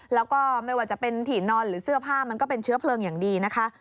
แล้วก็ไม่ว่าจะเป็นถี่นอนหรือเสื้อผ้ามันก็เป็นเชื้อเพลิงอย่างดีนะคะ